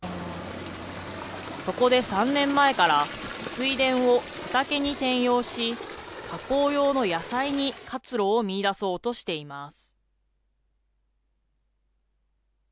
そこで３年前から、水田を畑に転用し、加工用の野菜に活路を見いだそうとしています。